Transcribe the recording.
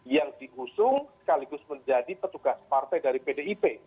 yang diusung sekaligus menjadi petugas partai dari pdip